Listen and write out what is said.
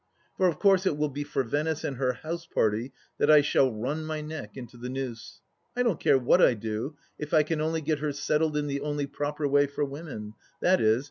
For of course it will be for Venice and her house party that I shall run my neck into the noose. ... I don't care what I do if I can only get her settled in the only proper way for women, i.e.